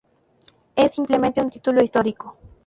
Es simplemente un título histórico.